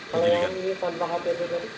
kalau ini tanpa ktp tadi